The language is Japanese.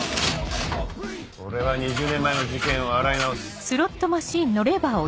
俺は２０年前の事件を洗い直す。